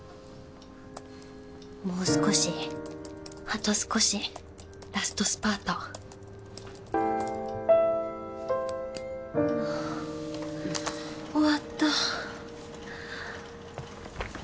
もう少しあと少しラストスパート終わった。